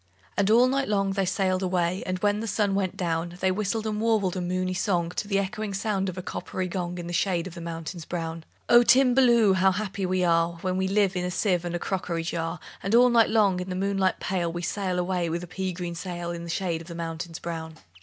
And all night long they sailed away; And when the sun went down, They whistled and warbled a moony song To the echoing sound of a coppery gong, In the shade of the mountains brown. "O Timballoo! How happy we are When we live in a sieve and a crockery jar! And all night long, in the moonlight pale, We sail away with a pea green sail In the shade of the mountains brown."